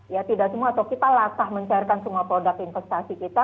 ya tidak semua atau kita latah mencairkan semua produk investasi kita